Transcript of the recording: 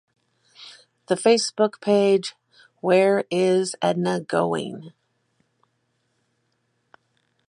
The Facebook page, Where is Edna Going?